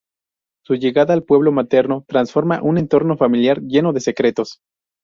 Su llegada al pueblo materno transforma un entorno familiar lleno de secretos.